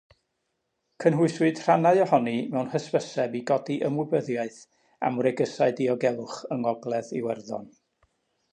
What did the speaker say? Cynhwyswyd rhannau ohoni mewn hysbyseb i godi ymwybyddiaeth am wregysau diogelwch yng Ngogledd Iwerddon.